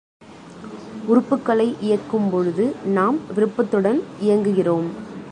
உறுப்புக்களை இயக்கும் பொழுது நாம் விருப்பத்துடன் இயக்குகிறோம்.